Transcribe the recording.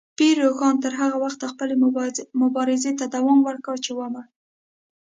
پیر روښان تر هغه وخته خپلې مبارزې ته دوام ورکړ چې ومړ.